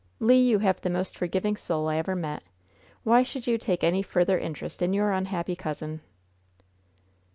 "Le, you have the most forgiving soul I ever met! Why should you take any further interest in your unhappy cousin?"